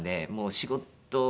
仕事！